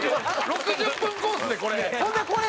６０分コースでこれ。